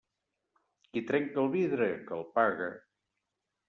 Qui trenca el vidre, que el pague.